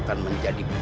dan kuvang aduan